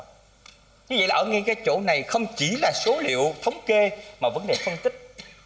như vậy là ở ngay cái chỗ này không chỉ là số liệu thống kê mà vấn đề phân tích